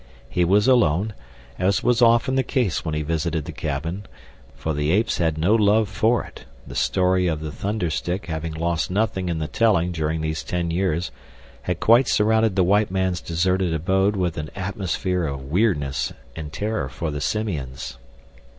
He was alone, as was often the case when he visited the cabin, for the apes had no love for it; the story of the thunder stick having lost nothing in the telling during these ten years had quite surrounded the white man's deserted abode with an atmosphere of weirdness and terror for the simians.